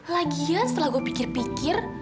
lagian setelah gue pikir pikir